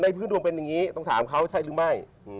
พื้นดวงเป็นอย่างนี้ต้องถามเขาใช่หรือไม่